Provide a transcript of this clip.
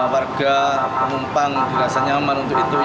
warga penumpang dirasa nyaman untuk itu